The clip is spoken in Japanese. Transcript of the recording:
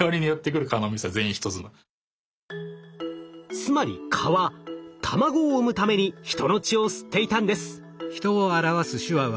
つまり蚊は卵を産むために人の血を吸っていたんです。